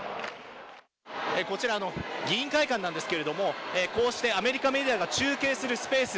こちら、議員会館なんですがこうして、アメリカメディアが中継するスペース。